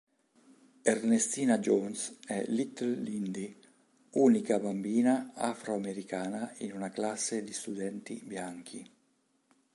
Ernestina Jones è "Little Lindy", unica bambina afroamericana in una classe di studenti bianchi.